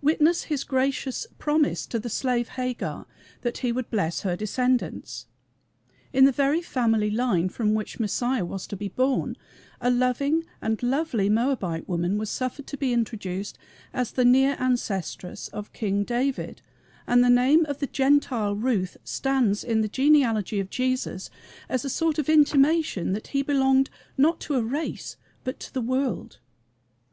Witness his gracious promise to the slave Hagar that he would bless her descendants. In the very family line from which Messiah was to be born a loving and lovely Moabite woman was suffered to be introduced as the near ancestress of King David, and the name of the Gentile Ruth stands in the genealogy of Jesus as a sort of intimation that he belonged not to a race but to the world.